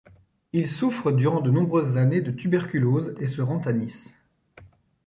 Il souffre durant de nombreuses années de tuberculose et se rend à Nice.